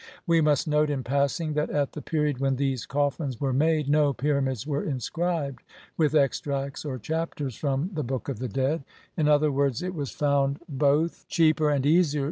We must note, in passing, that at the period when these coffins were made no pyramids were inscribed with extracts or Chapters from the Book of the Dead ; in other words, it was found both Plate II.